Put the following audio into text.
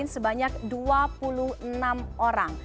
sebanyak dua puluh enam orang